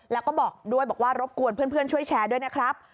แล้วก็บอกด้วยบอกว่ารบกวนเพื่อนช่วยแชร์ด้วยนะครับ